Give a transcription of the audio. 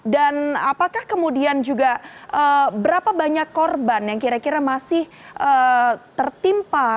dan apakah kemudian juga berapa banyak korban yang kira kira masih tertimpa